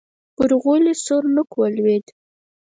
پر غولي سور نوک ولوېد.